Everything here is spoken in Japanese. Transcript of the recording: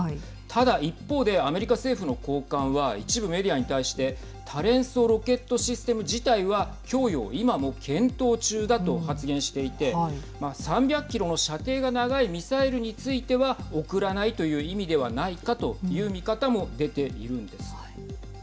ただ一方でアメリカ政府の高官は一部メディアに対して多連装ロケットシステム自体は供与を今も検討中だと発言していて３００キロの射程が長いミサイルについては送らないという意味ではないかという見方も出ているんです。